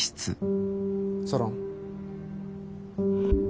ソロン。